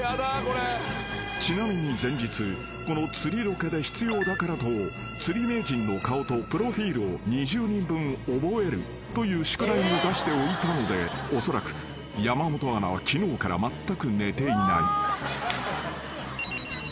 ［ちなみに前日この釣りロケで必要だからと釣り名人の顔とプロフィルを２０人分覚えるという宿題も出しておいたのでおそらく山本アナは昨日からまったく寝ていない］